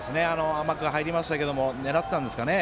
甘く入りましたが狙ってたんですかね